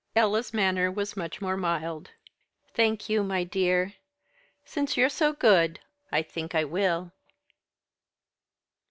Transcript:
Ella's manner was much more mild. "Thank you, my dear; since you're so good I think I will."